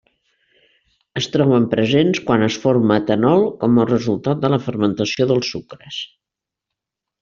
Es troben presents quan es forma etanol com a resultat de la fermentació dels sucres.